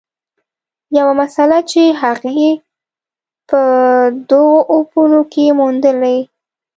یوه مسله چې هغې په دغو اپونو کې موندلې